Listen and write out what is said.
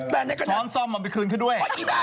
ช้อนซ่อมมันไปคืนขึ้นด้วย